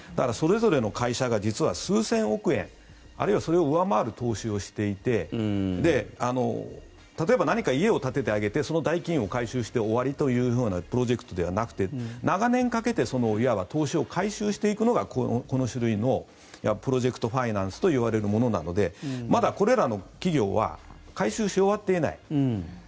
それぞれの会社が実は数千億円あるいはそれを上回る投資をしていて例えば何か家を建ててあげてその代金を回収して終わりというようなプロジェクトではなくて長年、かけていわば投資を回収していくのがこの種類のプロジェクトファイナンスといわれるものなのでまだこれらの企業は回収し終わっていない。